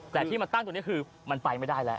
แต่ที่มาตั้งตรงนี้คือมันไปไม่ได้แล้ว